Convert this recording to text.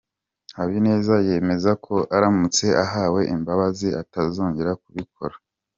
Habineza yemeza ko aramutse ahawe imbabazi atazongera kubikora.